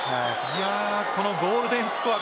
このゴールデンスコア